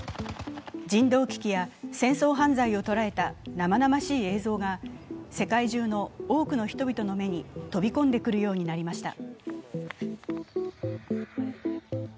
人道危機や戦争犯罪を捉えた生々しい映像が世界中の多くの人々の目に飛び込んでくるようになりました。